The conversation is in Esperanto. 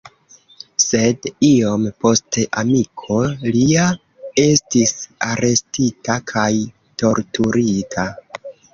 Sed iom poste amiko lia estis arestita kaj torturita.